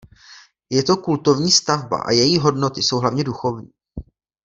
Je to kultovní stavba a její hodnoty jsou hlavně duchovní.